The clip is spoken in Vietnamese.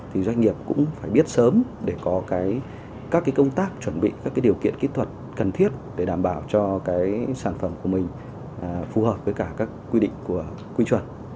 thì doanh nghiệp cũng phải biết sớm để có các công tác chuẩn bị các điều kiện kỹ thuật cần thiết để đảm bảo cho cái sản phẩm của mình phù hợp với cả các quy định của quy chuẩn